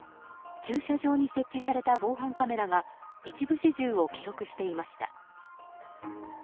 駐車場に設置された防犯カメラが一部始終を記録していました。